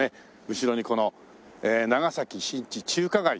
後ろにこの長崎新地中華街。